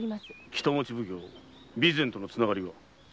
北町奉行・備前とのつながりは？